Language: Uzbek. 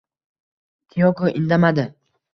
Tiyoko indamadi